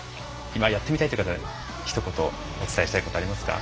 今やってみたいという方にひと言お伝えしたいことありますか？